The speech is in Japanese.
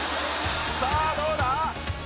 さあどうだ？